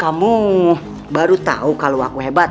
kamu baru tahu kalau aku hebat